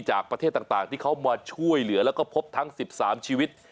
จากประเทศต่างที่เขามาช่วยเหลือแล้วก็พบทั้ง๑๓ชีวิต